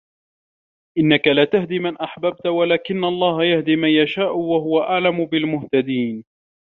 إِنَّكَ لا تَهدي مَن أَحبَبتَ وَلكِنَّ اللَّهَ يَهدي مَن يَشاءُ وَهُوَ أَعلَمُ بِالمُهتَدينَ